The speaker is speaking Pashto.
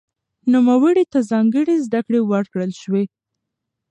نوموړي ته ځانګړې زده کړې ورکړل شوې.